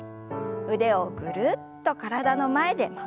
腕をぐるっと体の前で回しましょう。